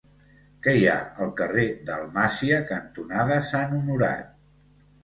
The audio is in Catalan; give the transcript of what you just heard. Què hi ha al carrer Dalmàcia cantonada Sant Honorat?